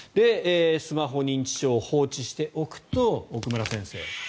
スマホ認知症、放置しておくと奥村先生